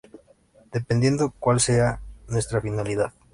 dependiendo cuál sea nuestra finalidad